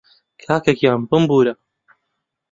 کاکەگیان بمبوورە